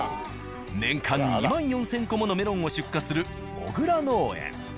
年間２万４０００個ものメロンを出荷する「小倉農園」。